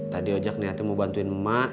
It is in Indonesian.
tadi ojak nih hati mau bantuin mak